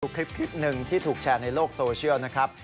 คลิปหนึ่งที่ถูกแชร์ในโลกโซเชียลนะครับ